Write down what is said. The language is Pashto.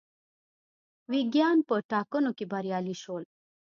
ویګیان په ټاکنو کې بریالي شول.